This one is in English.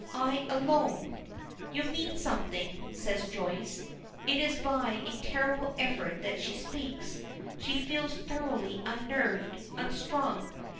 "I alone." "You mean something," says Joyce. It is by a terrible effort that she speaks. She feels thoroughly unnerved unstrung.